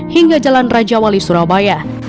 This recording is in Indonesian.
hingga jalan raja wali surabaya